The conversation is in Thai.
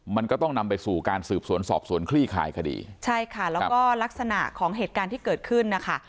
มันก็ต้องนำไปสู่การสืบสวนสอบสวนคลี่คลายคดีใช่ค่ะแล้วก็ลักษณะของเหตุการณ์ที่เกิดขึ้นนะคะ